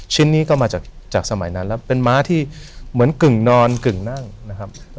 ชิ้นนี้ก็มาจากสมัยนั้นแล้วเป็นม้าที่เหมือนกึ่งนอนกึ่งนั่งนะครับ